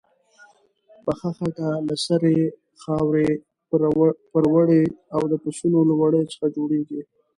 پخه خټه له سرې خاورې، پروړې او د پسونو له وړیو څخه جوړیږي.